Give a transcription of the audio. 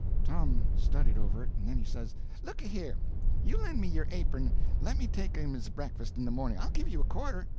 Tom studied over it, and then he says: "Looky here. You lend me your apern and let me take him his breakfast in the morning. I'll give you a quarter."